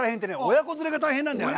親子連れが大変なんだよね。